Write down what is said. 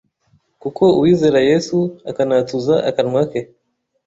kuko Uwizera Yesu akanatuza akanwa ke,